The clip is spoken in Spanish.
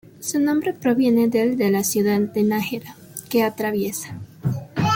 Su nombre proviene del de la ciudad de Nájera, que atraviesa.